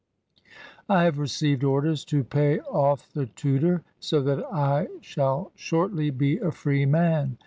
I have received orders to pay off the Tudor, so that I shall shortly be a free man.